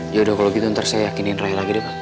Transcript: yaudah kalau gitu ntar saya yakinin rai lagi deh pak